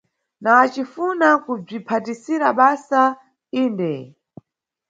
Na acifuna kubzwiphatisira basa, yinde.